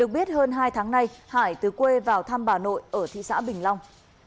hơn hai tháng nay hải từ quê vào thăm bà nội ở thị xã bình long